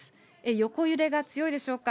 横揺れが強いでしょうか。